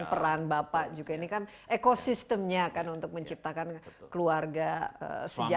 peran bapak juga ini kan ekosistemnya kan untuk menciptakan keluarga sejahtera